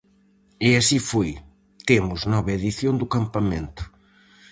E así foi: temos nova edición do campamento.